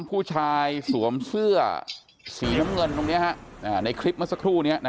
ผู้ชายสวมเสื้อสีน้ำเงินตรงนี้ในคลิปเมื่อสักครู่นี้